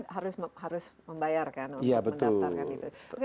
karena harus membayar kan untuk mendaftarkan itu